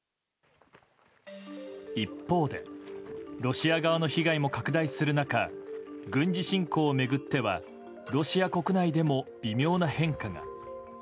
一方でロシア側の被害も拡大する中軍事侵攻を巡ってはロシア国内でも微妙な変化が。